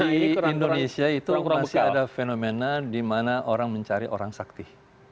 di indonesia itu masih ada fenomena di mana orang mencari orang sakti